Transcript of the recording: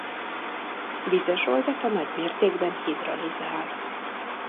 Vizes oldata nagy mértékben hidrolizál.